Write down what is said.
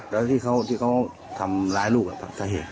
แล้วที่เขาทำร้ายลูกสาเหตุ